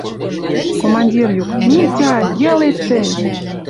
Командир юк: «Митя, йылет тӹнь!»